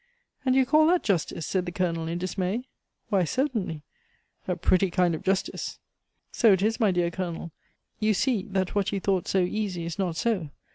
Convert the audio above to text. "And you call that justice!" said the Colonel, in dismay. "Why, certainly " "A pretty kind of justice!" "So it is, my dear Colonel. You see, that what you thought so easy is not so.